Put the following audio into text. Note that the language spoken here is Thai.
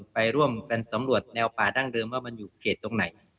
ไปร่วมกันสำรวจแนวป่าดั้งเดิมว่ามันอยู่เขตตรงไหน